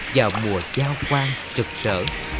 vào mùa giao quan trực sở